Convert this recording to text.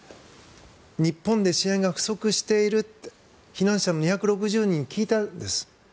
日本で支援が不足している避難者の２６０人に聞いたんです。